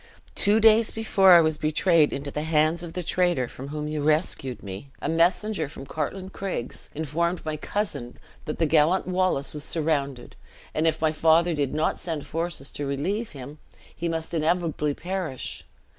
Two days before I was betrayed into the hands of the traitor from whom you rescued me, a messenger from Cartlane Craigs informed my cousin that the gallant Wallace was surrounded; and if my father did not send forces to relieve him, he must inevitably perish.